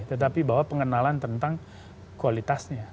tetapi bahwa pengenalan tentang kualitasnya